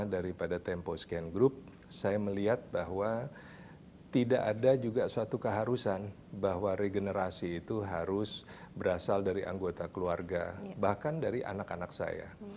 daripada tempo scan group saya melihat bahwa tidak ada juga suatu keharusan bahwa regenerasi itu harus berasal dari anggota keluarga bahkan dari anak anak saya